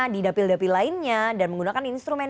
di dapil dapil lainnya dan menggunakan instrumen